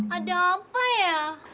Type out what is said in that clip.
ada apa ya